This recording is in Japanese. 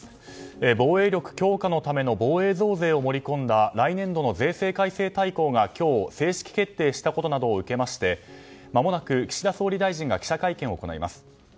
防衛力強化のための防衛増税を盛り込んだ来年度の税制改正大綱が今日、正式決定されたことを受けまして、まもなく岸田総理大臣が記者会見を行います。